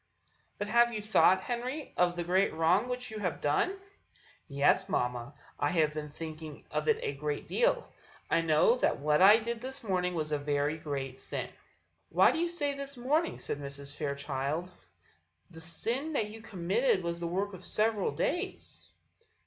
"But have you thought, Henry, of the great wrong which you have done?" "Yes, mamma, I have been thinking of it a great deal; I know that what I did this morning was a very great sin." "Why do you say this morning?" said Mrs. Fairchild; "the sin that you committed was the work of several days."